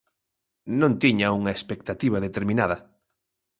Non tiña unha expectativa determinada.